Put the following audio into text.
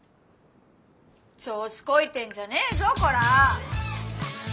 調子こいてんじゃねえぞこら！